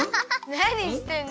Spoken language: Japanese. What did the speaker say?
なにしてんの？